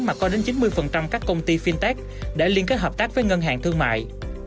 mà có đến chín mươi các công ty fintech đã liên kết hợp tác với ngân hàng thương mại